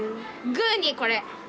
グーにこれ。